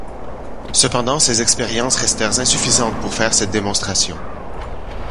Cependant, ces expériences restèrent insuffisantes pour faire cette démonstration.